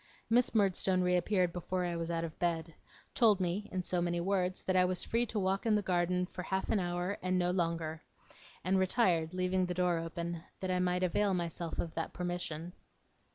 Miss Murdstone reappeared before I was out of bed; told me, in so many words, that I was free to walk in the garden for half an hour and no longer; and retired, leaving the door open, that I might avail myself of that permission.